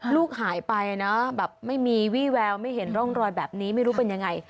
ลูกหายไปนะแบบไม่มีวี่แววไม่เห็นร่องรอยแบบนี้ไม่รู้เป็นยังไง